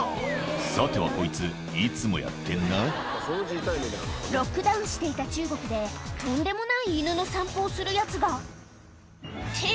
さてはこいついつもやってんなロックダウンしていた中国でとんでもない犬の散歩をするヤツがって